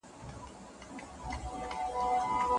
هغه وویل چي وطن د پلار د کور مانا لري.